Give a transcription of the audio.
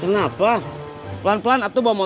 jangan lupa like share dan subscribe ya